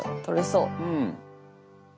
うん。